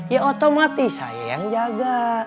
ya otomatis saya yang jaga